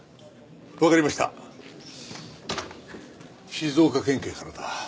静岡県警からだ。